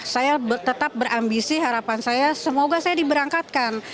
saya tetap berambisi harapan saya semoga saya diberangkatkan